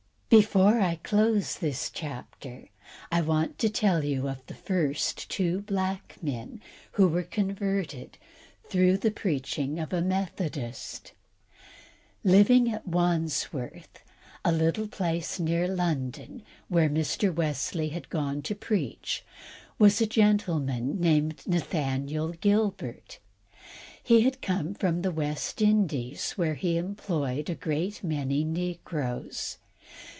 Before I close this chapter I want to tell you of the first two black men who were converted through the preaching of a Methodist. Living at Wandsworth, a little place near London where Mr. Wesley had gone to preach, was a gentleman named Nathaniel Gilbert. He had come from the West Indies, where he employed a great many negroes.